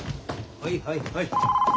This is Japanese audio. はいはいはい。